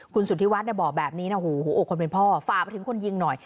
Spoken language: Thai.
คุณสุธิวัฒน์บอกแบบนี้นะโอ้โหอกคนเป็นพ่อฝากไปถึงคนยิงหน่อย